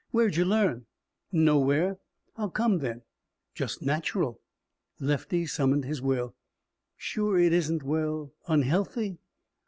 Where'd you learn?" "Nowhere." "How come, then?" "Just natural." Lefty summoned his will. "Sure it isn't well unhealthy.